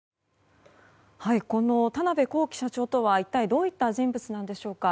この田邊公己社長とは一体どういった人物なんでしょうか。